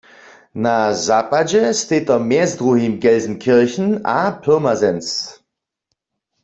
Na zapadźe stej to mjez druhim Gelsenkirchen a Pirmasens.